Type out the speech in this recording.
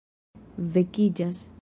vekiĝas